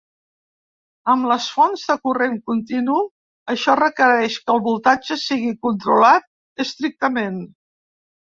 Amb les fonts de corrent continu, això requereix que el voltatge sigui controlat estrictament.